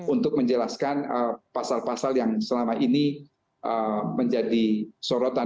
untuk menjelaskan pasal pasal yang selama ini menjadi sorotan